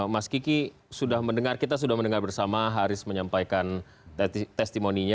mas kiki kita sudah mendengar bersama haris menyampaikan testimoni